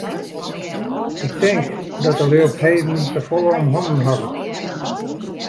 Ik tink dat de lju op 't heden te folle om hannen hawwe.